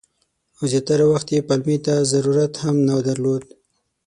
او زیاتره وخت یې پلمې ته ضرورت هم نه درلود.